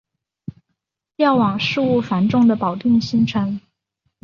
调往事务繁重的保定新城。